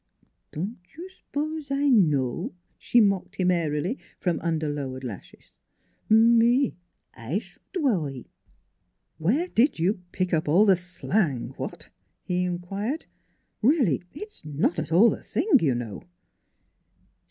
"Don' you s'pose 7 know?" she mocked him airily from under lowered lashes. " Me I s'ould worr y! "" Where did you pick up all the slang what? " he inquired. " Really it's not at all the thing, you know."